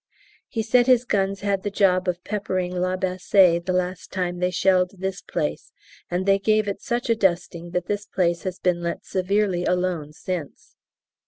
He said his guns had the job of peppering La Bassée the last time they shelled this place, and they gave it such a dusting that this place has been let severely alone since.